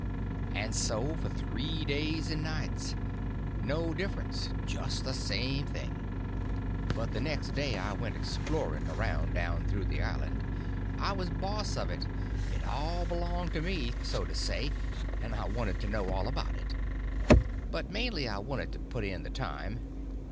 And so for three days and nights. No difference—just the same thing. But the next day I went exploring around down through the island. I was boss of it; it all belonged to me, so to say, and I wanted to know all about it; but mainly I wanted to put in the time.